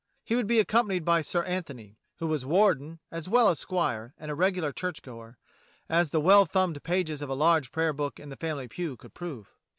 He would be accompanied by Sir Antony, who was warden as well as squire and a regular churchgoer, as the well thumbed pages of a large prayer book in the family pew could prove.